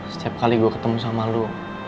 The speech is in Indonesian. setiap kali gue ketemu sama lo